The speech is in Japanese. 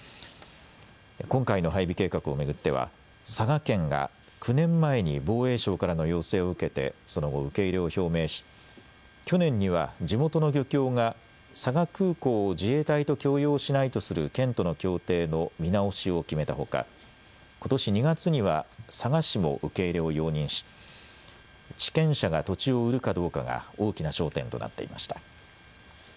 今回の配備計画を巡っては佐賀県が９年前に防衛省からの要請を受けてその後、受け入れを表明し去年には地元の漁協が佐賀空港を自衛隊と共用しないとする県との協定の見直しを決めたほかことし２月には佐賀市も受け入れを容認し地権者が土地を売るかどうかが大きな焦点となっていました。